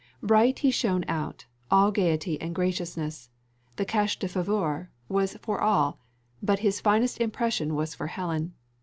Bright he shone out, all gaiety and graciousness; the cachet de faveur was for all, but its finest impression was for Helen.